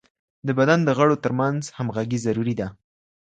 د بدن د غړو ترمنځ همږغي ضروري ده.